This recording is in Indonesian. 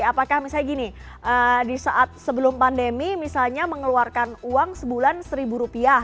apakah misalnya gini di saat sebelum pandemi misalnya mengeluarkan uang sebulan seribu rupiah